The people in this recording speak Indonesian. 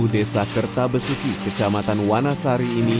desa kertabesuki kecamatan wanasari ini